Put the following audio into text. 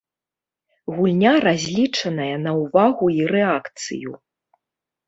Гульня разлічаная на ўвагу і рэакцыю.